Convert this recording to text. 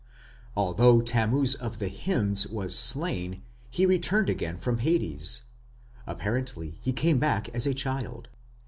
Although Tammuz of the hymns was slain, he returned again from Hades. Apparently he came back as a child.